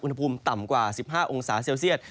อุณหภูมิต่ำกว่า๑๕องศาเซลเซียต